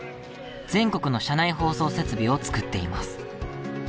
全国の車内放送設備を作っています。